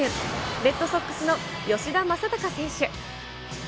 レッドソックスの吉田正尚選手。